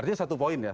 artinya satu poin ya